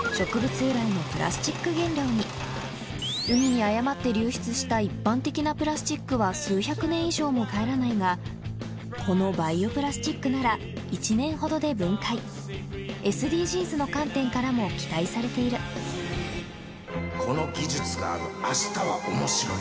由来のプラスチック原料に海に誤って流出したこのバイオプラスチックなら ＳＤＧｓ の観点からも期待されているこの技術があるあしたは面白い